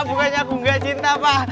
bukannya aku enggak cinta pak